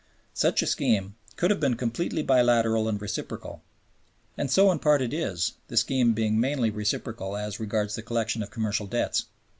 Such a scheme could have been completely bilateral and reciprocal. And so in part it is, the scheme being mainly reciprocal as regards the collection of commercial debts.